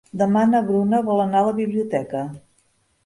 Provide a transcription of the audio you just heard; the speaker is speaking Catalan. Demà na Bruna vol anar a la biblioteca.